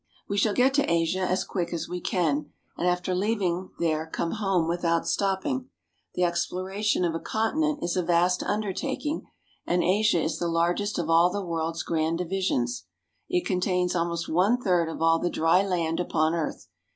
We shall get to Asia as quick as we can, and after leav ing there come home without stopping. The exploration of a continent is a vast undertaking, and Asia is the largest of all the world's grand divisions. It contains almost one third of all the dry land upon earth.